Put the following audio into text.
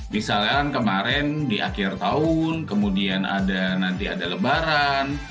misalkan kemarin di akhir tahun kemudian ada nanti ada lebaran